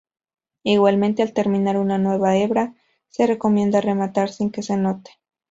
Igualmente, al terminar una nueva hebra se recomienda rematar sin que se note.